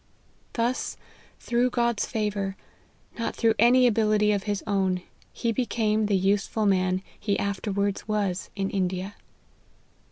Thus, through God's favour, not through any ability of his own, he became the useful man he afterwards was in India.